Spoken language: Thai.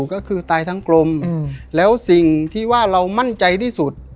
ก็คือตายทั้งกลมแล้วสิ่งที่ว่าเรามั่นใจที่สุด